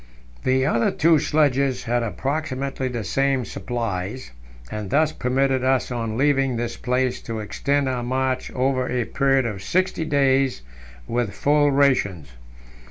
The other two sledges had approximately the same supplies, and thus permitted us on leaving this place to extend our march over a period of sixty days with full rations.